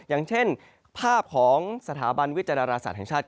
อย่างเช่นภาพของสถาบันวิจารณศาสตร์แห่งชาติ